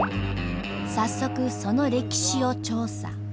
早速その歴史を調査。